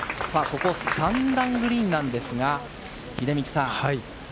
ここ、３段グリーンなんですが、秀道さん。